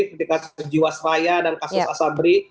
ketika jiwasraya dan kasus asabri